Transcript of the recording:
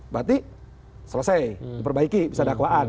berarti selesai diperbaiki bisa dakwaan